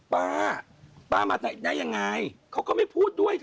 ป้าป้ามาได้ยังไงเขาก็ไม่พูดด้วย